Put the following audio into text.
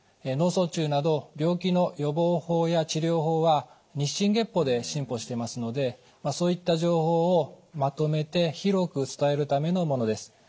脳卒中など病気の予防法や治療法は日進月歩で進歩していますのでそういった情報をまとめて広く伝えるためのものです。